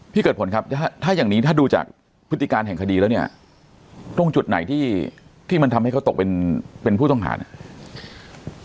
เกิดผลครับถ้าอย่างนี้ถ้าดูจากพฤติการแห่งคดีแล้วเนี่ยตรงจุดไหนที่ที่มันทำให้เขาตกเป็นเป็นผู้ต้องหาเนี่ย